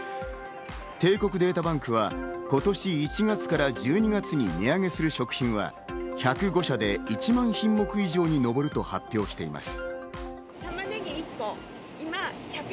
帝国データバンクは今年１月から１２月に値上げする食品は１０５社で１万品目以上に上ると発表しています。